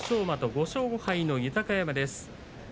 馬と５勝５敗の豊山です。